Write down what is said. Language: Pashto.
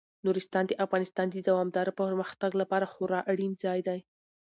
نورستان د افغانستان د دوامداره پرمختګ لپاره خورا اړین ځای دی.